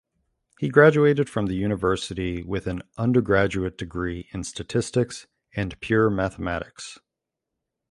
He graduated from the university with an undergraduate degree in statistics and pure mathematics.